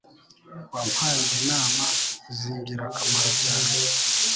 Wampaye inama zingirakamaro cyane.